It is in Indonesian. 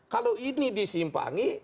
kalau ini disimpangi